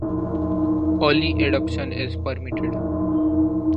Early adoption is permitted.